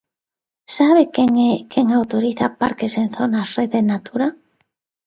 ¿Sabe quen é quen autoriza parques en zonas Rede Natura?